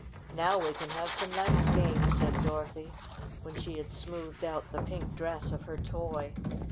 "Now we can have some nice games," said Dorothy, when she had smoothed out the pink dress of her toy.